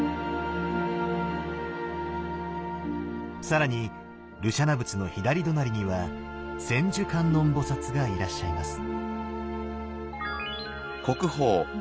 更に盧舎那仏の左隣には千手観音菩がいらっしゃいます。